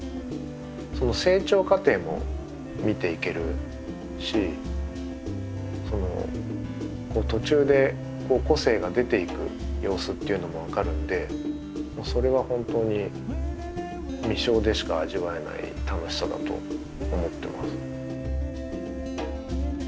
その成長過程も見ていけるし途中で個性が出ていく様子っていうのも分かるんでそれは本当に実生でしか味わえない楽しさだと思ってます。